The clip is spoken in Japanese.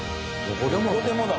どこでもだ。